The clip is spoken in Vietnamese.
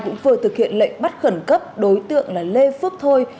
cũng vừa thực hiện lệnh bắt khẩn cấp đối tượng là lê phước thôi